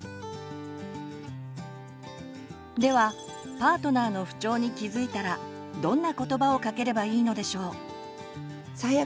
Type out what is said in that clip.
ではパートナーの不調に気づいたらどんな言葉をかければいいのでしょう？